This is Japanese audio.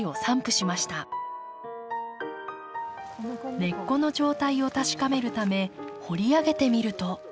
根っこの状態を確かめるため掘り上げてみると。